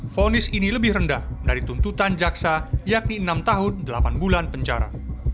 fonis ini lebih rendah dari tuntutan jaksa yakni enam tahun delapan bulan penjara